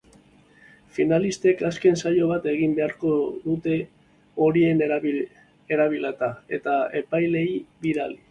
Finalistek azken saio bat egin beharko dute horiek erabilita, eta epaileei bidali.